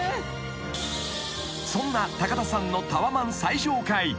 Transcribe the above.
［そんな田さんのタワマン最上階］